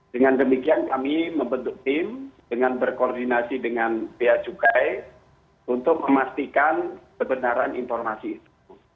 dengan demikian kami membentuk tim dengan berkoordinasi dengan bia cukai untuk memastikan kebenaran informasi itu